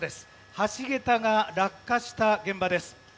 橋桁が落下した現場です。